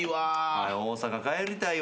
早大阪帰りたいわ。